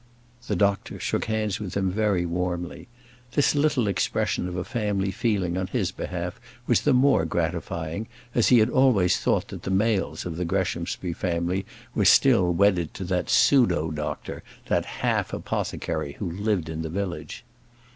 The doctor shook hands with him very warmly. This little expression of a family feeling on his behalf was the more gratifying, as he had always thought that the males of the Greshamsbury family were still wedded to that pseudo doctor, that half apothecary who lived in the village.